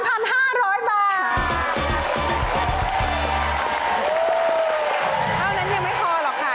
เท่านั้นยังไม่พอหรอกค่ะ